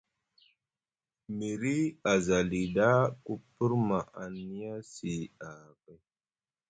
Mri a za li ɗa, ku pirma aŋ niyasi aha kay.